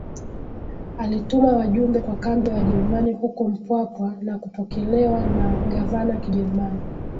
alituma wajumbe kwa kambi ya Wajerumani huko Mpwapwa na kupokelewa na gavana kijerumani